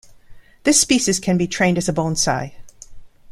This species can be trained as a bonsai.